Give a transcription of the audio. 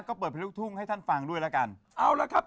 ก็เปิดเพลงลูกทุ่งให้ท่านฟังด้วยแล้วกันเอาละครับ